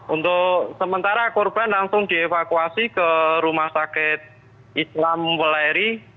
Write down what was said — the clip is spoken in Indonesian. untuk sementara korban langsung dievakuasi ke rumah sakit islam weleri